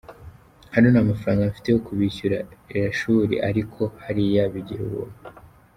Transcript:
Hano nta mafaranga mfite yo kubishyurira ishuri ariko hariya bigira ubuntu.